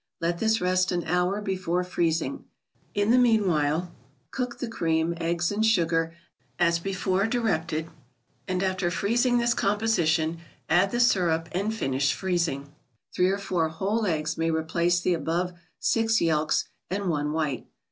Let this rest an hour before freezing. In the meanwhile, cook the cream, eggs and sugar, as before directed ; and after freezing this composition add the syrup, and finish freezing. Three or four whole eggs may replace the above six yelks and one white.